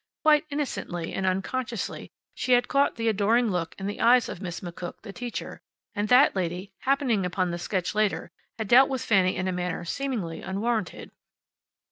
Quite innocently and unconsciously she had caught the adoring look in the eyes of Miss McCook, the teacher, and that lady, happening upon the sketch later, had dealt with Fanny in a manner seemingly unwarranted.